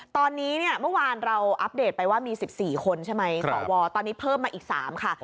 ตอนนี้เนี่ยเมื่อวานเราอัปเดตไปว่ามี๑๔คนใช่ไหมสวตอนนี้เพิ่มมาอีก๓ค่ะ